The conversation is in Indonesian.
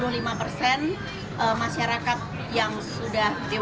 regulator juga berharap dengan adanya inklusi keuangan seperti ini